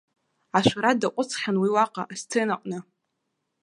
Ашәара даҟәыҵхьан уи уаҟа, асценаҟны.